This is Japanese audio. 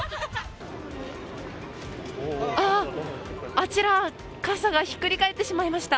あちら、傘がひっくり返ってしまいました。